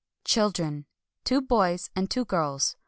^ ChILDEEN : Two BOYS AND TWO GIELS.